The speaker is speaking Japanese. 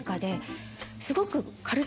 すごく。